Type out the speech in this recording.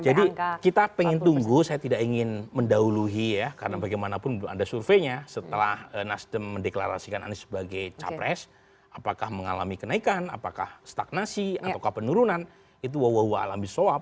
jadi kita pengen tunggu saya tidak ingin mendahului ya karena bagaimanapun belum ada surveinya setelah nasdem mendeklarasikan anies sebagai capres apakah mengalami kenaikan apakah stagnasi atau kepenurunan itu wawah wawah alami soap